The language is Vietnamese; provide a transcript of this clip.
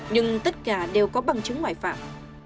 nhưng tất cả đều có bằng chứng ngoại phạm